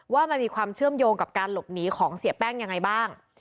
ว่ามันมีความเชื่อมโยงกับการหลบหนีของเสียแป้งยังไงบ้าง